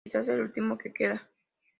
Quizás el último que queda".